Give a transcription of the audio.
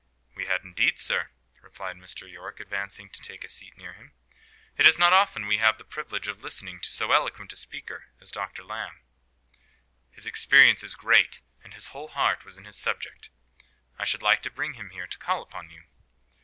"We had, indeed, sir," replied Mr. Yorke, advancing to take a seat near him. "It is not often we have the privilege of listening to so eloquent a speaker as Dr. Lamb. His experience is great, and his whole heart was in his subject. I should like to bring him here to call upon you."